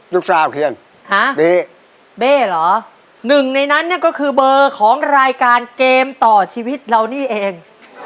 ลูกสาวเขียนฮะนี่เบ้เหรอหนึ่งในนั้นเนี่ยก็คือเบอร์ของรายการเกมต่อชีวิตเรานี่เอง